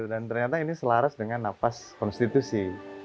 dan ternyata ini selaras dengan nafas konstitusi